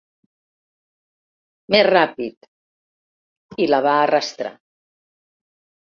"Més ràpid!" i la va arrastrar.